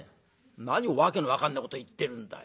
「何を訳の分かんないこと言ってるんだよ。